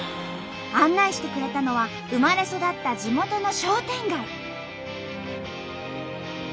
案内してくれたのは生まれ育った地元の商店街。